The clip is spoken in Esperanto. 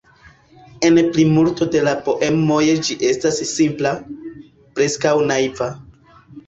En plimulto de la poemoj ĝi estas simpla, preskaŭ naiva.